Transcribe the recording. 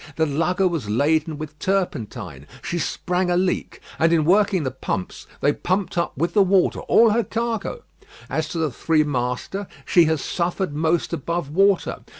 The lugger was laden with turpentine; she sprang a leak, and in working the pumps they pumped up with the water all her cargo. As to the three master, she has suffered most above water.